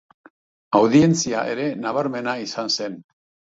Audientzia ere nabarmena izan zen.